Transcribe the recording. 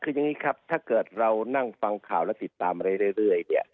คือยังงี้ครับถ้าเกิดเรานั่งฟังข่าวแล้วติดตามเรื่อย